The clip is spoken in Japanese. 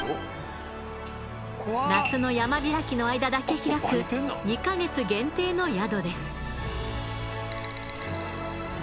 夏の山開きの間だけ開く２ヵ月限定の宿です。